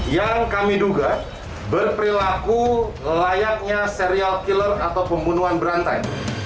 yang kami duga berperilaku layaknya serial killer atau pembunuhan berantai